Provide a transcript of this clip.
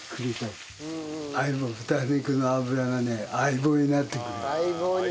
豚肉の脂がね相棒になってくれる。